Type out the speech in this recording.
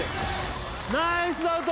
ナイスダウト！